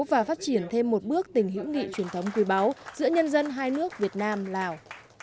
và phát triển thêm một bước tình hữu nghị truyền thống quý báu giữa nhân dân hai nước việt nam lào